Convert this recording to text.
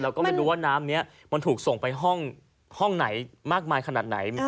แล้วก็ไม่รู้ว่าน้ำนี้มันถูกส่งไปห้องไหนมากมายขนาดไหน